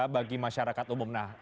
bagi masyarakat umum